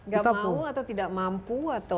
gak mau atau tidak mampu atau